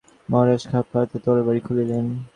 মহারাজ খাপ হইতে তরবারি খুলিলেন।